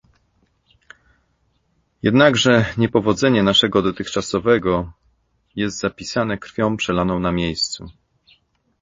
Jednakże niepowodzenie naszego dotychczasowego jest zapisane krwią przelaną na miejscu